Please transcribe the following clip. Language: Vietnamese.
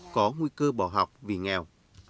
có nguy cơ bỏ học vì nghèo